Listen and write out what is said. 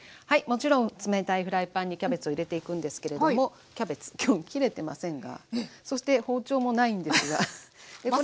はいもちろん冷たいフライパンにキャベツを入れていくんですけれどもキャベツ今日切れてませんがそして包丁もないんですが。